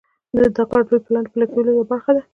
دا کار د لوی پلان د پلي کولو یوه برخه ده.